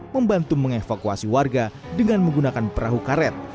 membantu mengevakuasi warga dengan menggunakan perahu karet